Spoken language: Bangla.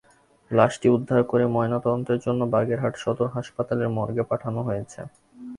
লাশটি উদ্ধার করে ময়নাতদন্তের জন্য বাগেরহাট সদর হাসপাতালের মর্গে পাঠানো হয়েছে।